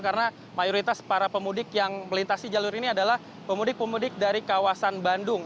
karena mayoritas para pemudik yang melintasi jalur ini adalah pemudik pemudik dari kawasan bandung